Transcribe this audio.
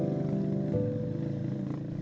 memang penuh liku